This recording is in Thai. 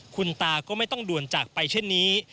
คุณตาก็ไม่ต้องด่วนจากไปเช่นนี้